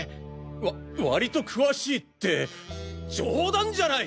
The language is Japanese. わ割と詳しいって冗談じゃない！！